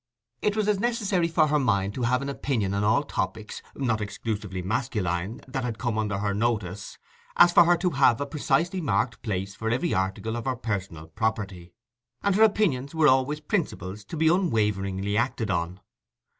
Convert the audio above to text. It was as necessary to her mind to have an opinion on all topics, not exclusively masculine, that had come under her notice, as for her to have a precisely marked place for every article of her personal property: and her opinions were always principles to be unwaveringly acted on.